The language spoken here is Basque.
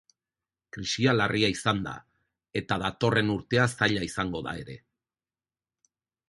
Krisia larria izan da eta datorren urtea zaila izango da ere.